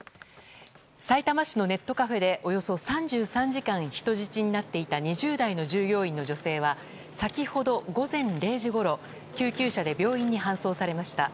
さいたま市のネットカフェでおよそ３３時間人質になっていた２０代の従業員の女性は先ほど午前０時ごろ救急車で病院に搬送されました。